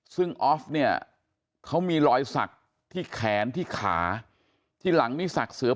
ซึ่งออฟเนี่ยเขามีรอยสักที่แขนที่ขาที่หลังนี่ศักดิ์เสือ